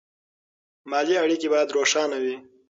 مالي اړیکې باید روښانه وي.